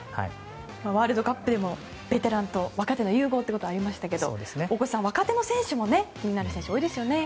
ワールドカップでもベテランと若手の融合がありましたが大越さん、若手選手も気になる選手が多いですね。